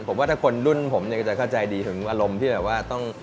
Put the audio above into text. ผมว่าถ้าคนรุ่นผมเนี่ยก็จะเข้าใจดีถึงอารมณ์ที่แบบว่าต้อง